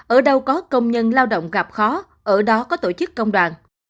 ở đâu có công nhân lao động gặp khó ở đó có tổ chức công đoàn